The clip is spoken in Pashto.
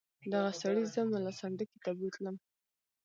دغه سړي زه ملا سنډکي ته بوتلم.